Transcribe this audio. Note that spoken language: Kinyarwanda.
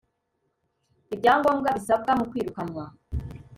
ibyangombwa bisabwa mu kwirukanwa